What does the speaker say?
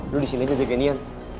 lo disini aja jadinya